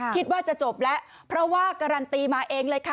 คิดว่าจะจบแล้วเพราะว่าการันตีมาเองเลยค่ะ